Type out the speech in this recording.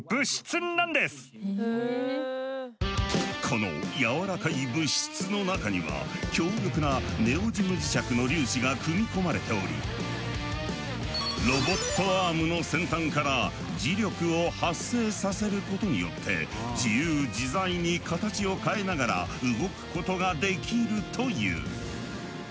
このやわらかい物質の中には強力なネオジム磁石の粒子が組み込まれておりロボットアームの先端から磁力を発生させることによって自由自在に形を変えながら動くことができるという。